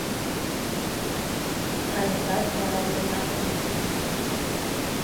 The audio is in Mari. Каетат, вара йомат вет.